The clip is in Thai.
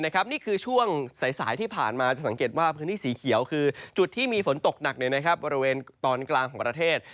นี่คือช่วงสายที่ผ่านมาจะสังเกตว่าพื้นที่สีเขียวคือจุดที่มีฝนตกหนักบริเวณตอนกลางของประเทศ